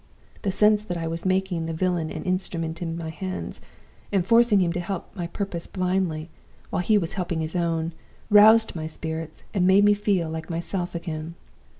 The sense that I was making the villain an instrument in my hands, and forcing him to help my purpose blindly, while he was helping his own, roused my spirits, and made me feel like myself again.